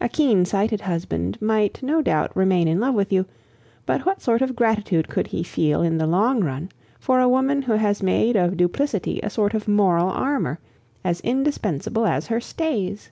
A keen sighted husband might no doubt remain in love with you, but what sort of gratitude could he feel in the long run for a woman who had made of duplicity a sort of moral armor, as indispensable as her stays?